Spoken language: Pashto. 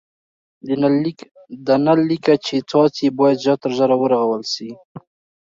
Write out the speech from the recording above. د نل لیکه چي څاڅي باید ژر تر ژره ورغول سي.